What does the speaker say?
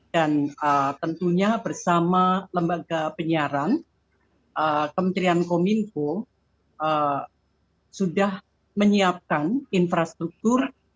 dan tentunya bersama lembaga penyiaran kementerian kominfo sudah menyiapkan infrastruktur